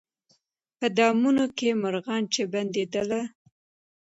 په دامونو کي مرغان چي بندېدله